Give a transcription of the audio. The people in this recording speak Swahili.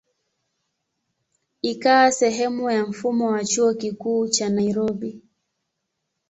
Ikawa sehemu ya mfumo wa Chuo Kikuu cha Nairobi.